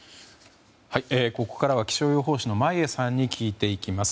ここからは気象予報士の眞家さんに聞いていきます。